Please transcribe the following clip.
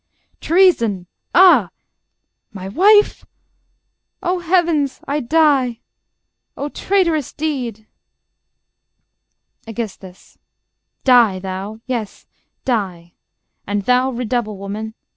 Treason! Ah! ... My wife?.. O Heavens!.. I die... O traitorous deed! Aegis. Die, thou yes, die! And thou redouble, woman.